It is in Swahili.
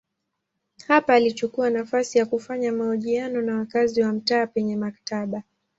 Hapa alichukua nafasi ya kufanya mahojiano na wakazi wa mtaa penye maktaba.